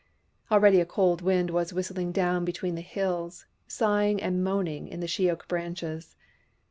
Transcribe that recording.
Already a cold wind was whistling down between the hills, sighing and moaning in the she oak branches.